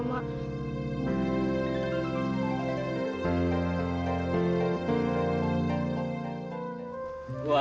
kenapa luar biasa tarzan